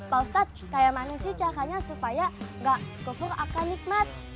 pak ustadz kayak mana sih caranya supaya gak kufur akan nikmat